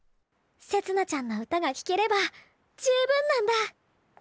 せつ菜ちゃんの歌がきければ十分なんだ。